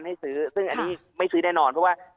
ให้ซื้อซึ่งอันนี้ไม่ซื้อแน่นอนเพราะว่า